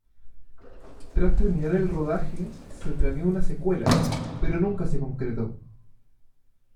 Tras terminar el rodaje, se planeó una secuela, pero nunca se concretó.